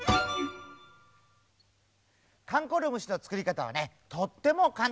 かんころむしのつくりかたはねとってもかんたん！